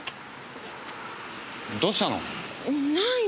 どうしたの？